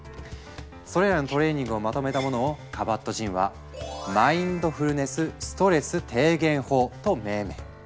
それらのトレーニングをまとめたものをカバットジンは「マインドフルネスストレス低減法」と命名。